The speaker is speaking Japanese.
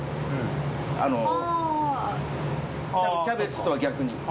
キャベツとは逆に。